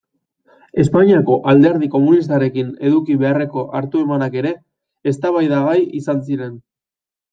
Espainiako Alderdi Komunistarekin eduki beharreko hartu-emanak ere eztabaidagai izan ziren.